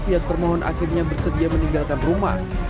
pihak permohon akhirnya bersedia meninggalkan rumah